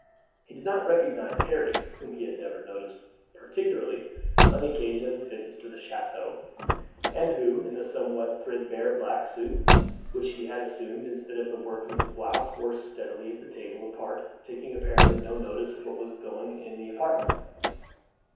He did not recognize Harry, whom he had never noticed particularly on the occasion of his visits to the chateau, and who, in the somewhat threadbare black suit which he had assumed instead of the workman's blouse, wrote steadily at a table apart, taking apparently no notice of what was going on in the apartment.